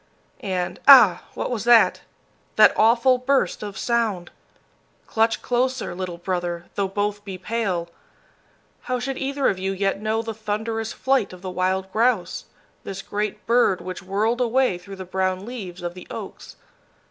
And ah! What was that that awful burst of sound? Clutch closer, little brother, though both be pale! How should either of you yet know the thunderous flight of the wild grouse, this great bird which whirled away through the brown leaves of the oaks?